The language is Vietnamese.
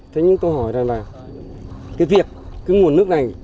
thế nhưng tôi hỏi rằng là cái việc cái nguồn nước này